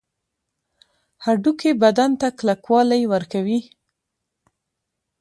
هډوکي بدن ته کلکوالی ورکوي